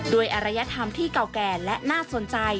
อรยธรรมที่เก่าแก่และน่าสนใจ